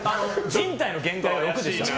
人体の限界は６でしたね。